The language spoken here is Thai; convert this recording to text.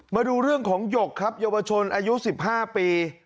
มาดูเรื่องของหยกครับโยวชนอายุสิบห้าปี